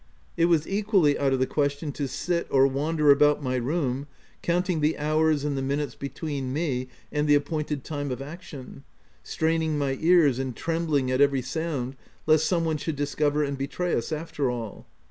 It was equally out of the question to sit, or wander about my room, counting the hours and the minutes between me and the appointed time of action, straining my ears and trembling at every sound lest some one should discover and betray us after all.